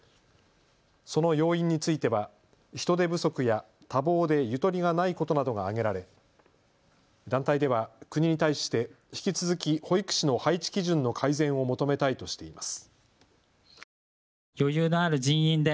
その要因については人手不足や多忙でゆとりがないことなどが挙げられ団体では国に対して引き続き保育士の配置基準の改善を求めたいとしています。